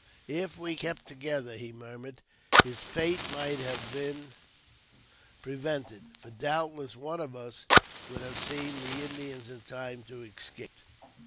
" If we had kept together," he murmured, "his fate might hive been prevented, for doubtless one of us would have seen the Indians in time to have escaped."